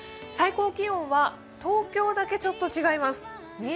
最高気温は東京だけちょっと違います。